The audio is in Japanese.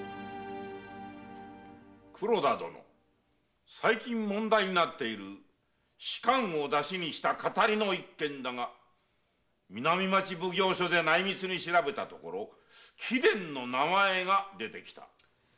黒田殿最近問題になっている仕官をダシにした騙りの一件だが南町奉行所で内密に調べたところ貴殿の名前が出てきた。